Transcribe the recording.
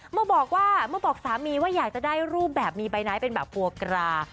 เมื่อบอกว่าเมื่อบอกสามีว่าอยากจะได้รูปแบบมีใบไนท์เป็นแบบกลัวกรา